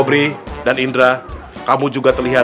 berapa kita berjalan